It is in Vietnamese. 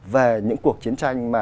về những cuộc chiến tranh mà